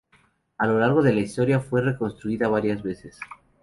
A lo largo de la historia fue reconstruida varias veces.